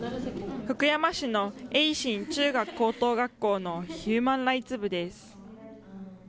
福山市の盈進中学高等学校のヒューマンライツ部です。